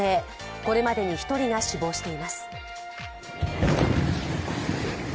これまでに１人が死亡しています。